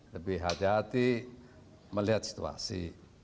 lebih hati hati melihat situasi